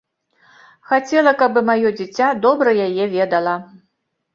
Хацела, каб і маё дзіця добра яе ведала.